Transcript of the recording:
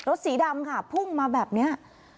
รถสีดำพุ่งมาแบบนี้